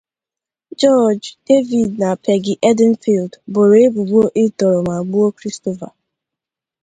George, David na Peggy Edenfield boro ebubo ịtọrọ ma gbuo Christopher.